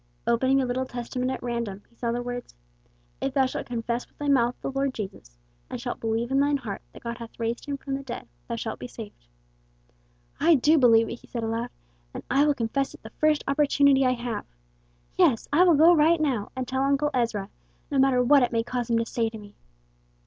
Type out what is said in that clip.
Opening the little Testament at random, he saw the words, "If thou shalt confess with thy mouth the Lord Jesus, and shalt believe in thine heart that God hath raised him from the dead, thou shalt be saved." "I do believe it," he said aloud. "And I will confess it the first opportunity I have. Yes, I will go right now and tell Uncle Ezra no matter what it may cause him to say to me."